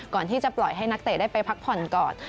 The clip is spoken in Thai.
ก่อนที่จะปล่อยให้นักเตะได้ไปพักผ่อนก่อน